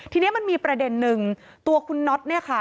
ทีนี้มันมีประเด็นนึงตัวคุณน็อต